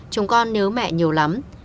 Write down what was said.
chúng con nhớ mẹ nhiều lắm